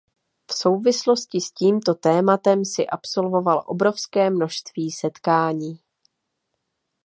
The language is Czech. V souvislosti s tímto tématem jsi absolvoval obrovské množství setkání.